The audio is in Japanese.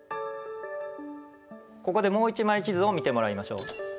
ここでもう一枚地図を見てもらいましょう。